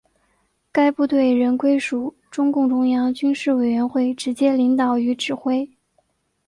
该部队仍归属中共中央军事委员会直接领导与指挥。